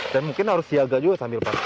dan mungkin harus siaga juga sambil pasang